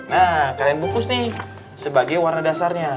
nah kalian bungkus nih sebagai warna dasarnya